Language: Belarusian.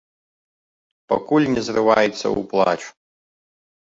Пакуль не зрываецца ў плач.